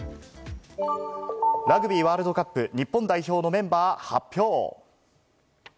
ラグビーワールドカップ・日本代表のメンバー発表。